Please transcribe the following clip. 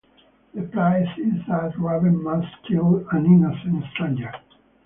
The price is that Raven must kill an innocent stranger.